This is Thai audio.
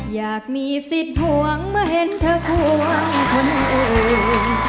อยากมีสิทธิ์ห่วงมาเห็นเธอห่วงคนเอง